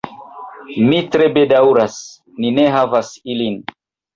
Mi tre bedaŭras, ni ne havas ilin.